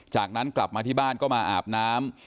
จากนั้นกลับมาที่บ้านก็มาอาบน้ำ